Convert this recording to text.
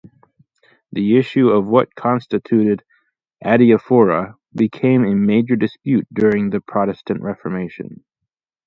The issue of what constituted "adiaphora" became a major dispute during the Protestant Reformation.